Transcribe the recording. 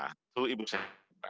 untuk ibu sinta